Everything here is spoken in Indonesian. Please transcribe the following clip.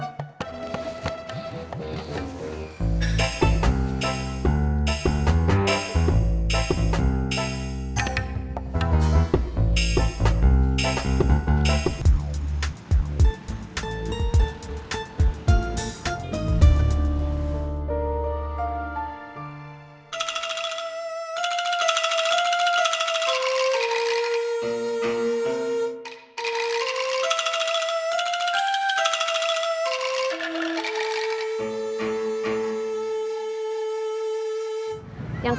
saatnya aku balik